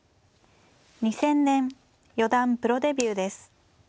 ２０００年四段プロデビューです。